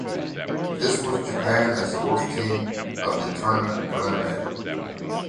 This was Japan as the worst team of the tournament eliminated.